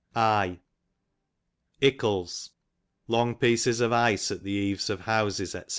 IccLES, long pieces of ice at the the eaves of houses, &c.